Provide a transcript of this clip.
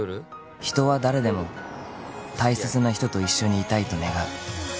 ［人は誰でも大切な人と一緒にいたいと願う］